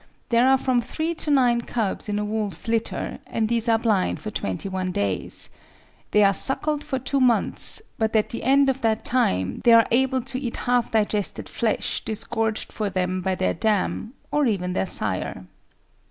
There are from three to nine cubs in a wolf's litter, and these are blind for twenty one days. They are suckled for two months, but at the end of that time they are able to eat half digested flesh disgorged for them by their dam or even their sire.